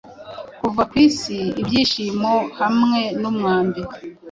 kuva kwisi ibyishimohamwe numwambi